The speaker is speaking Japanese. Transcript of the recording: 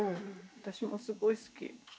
私もすごい好き。